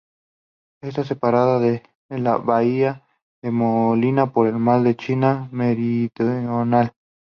Está separada de la bahía de Manila por el mar de la China Meridional.